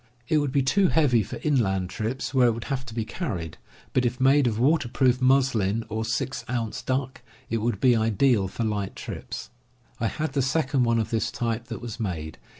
It would be too heavy for inland trips, where it would have to be carried ; but if made of waterproofed muslin or 6 ounce duck, it would be ideal for light trips. I had the second one of this type that was made.